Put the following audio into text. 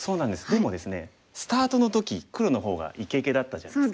でもですねスタートの時黒の方がいけいけだったじゃないですか。